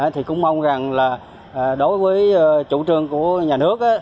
thì cũng mong rằng là đối với chủ trương của nhà nước